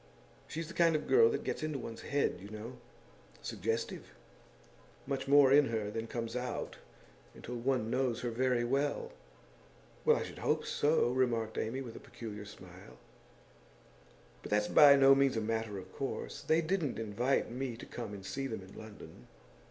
She's the kind of girl that gets into one's head, you know suggestive; much more in her than comes out until one knows her very well.' 'Well, I should hope so,' remarked Amy, with a peculiar smile. 'But that's by no means a matter of course. They didn't invite me to come and see them in London.